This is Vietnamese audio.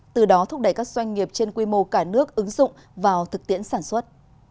từ đó thúc đẩy các doanh nghiệp trên quy mô cả nước ứng dụng vào thực tiễn sản xuất